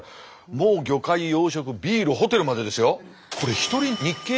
もう魚介養殖ビールホテルまでですよ。